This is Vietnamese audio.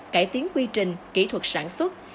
cải tiến quy trình kỹ thuật sản xuất